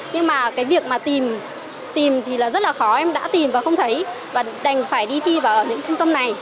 nhưng mà cái việc mà tìm thì là rất là khó em đã tìm và không thấy và đành phải đi thi vào ở những trung tâm này